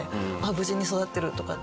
無事に育ってるとかって。